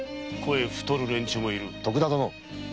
徳田殿！